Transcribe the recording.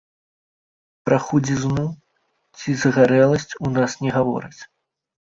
Пра худзізну, ці загарэласць у нас не гавораць.